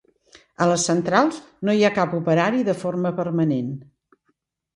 A les centrals no hi ha cap operari de forma permanent.